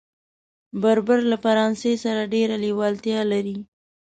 بربر له فرانسې سره ډېره لېوالتیا لري.